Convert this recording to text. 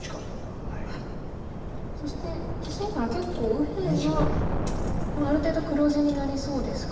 そして気付いたら結構右辺はある程度黒地になりそうですか。